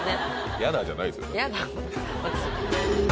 「嫌だ」じゃないですよ